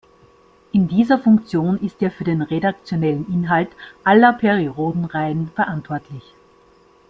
In dieser Funktion ist er für den redaktionellen Inhalt aller Perry-Rhodan-Reihen verantwortlich.